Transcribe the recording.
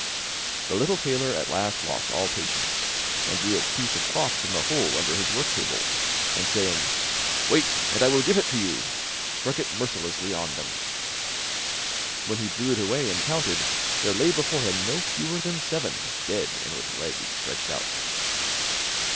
The little tailor at last lost all patience, and drew a piece of cloth from the hole under his work table, and saying: 'Wait, and I will give it to you,' struck it mercilessly on them. When he drew it away and counted, there lay before him no fewer than seven, dead and with legs stretched out.